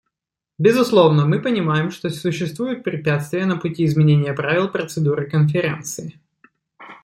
Безусловно, мы понимаем, что существуют препятствия на пути изменения правил процедуры Конференции.